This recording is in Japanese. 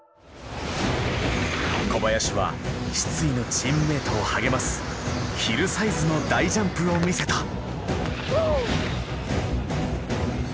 小林は失意のチームメートを励ますヒルサイズの大ジャンプを見せた。